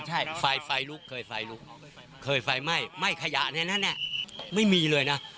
จะตายไฟลูกเคยป่าวอีกแล้วไม่ขยะแนะไม่มีเลยนะ